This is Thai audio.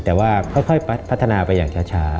แต่ว่าค่อยพัฒนาไปอย่างช้า